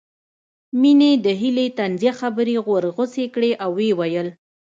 مينې د هيلې طنزيه خبرې ورغوڅې کړې او ويې ويل